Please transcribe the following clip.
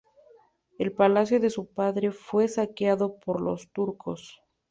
El palacio de su padre fue saqueado por los turcos.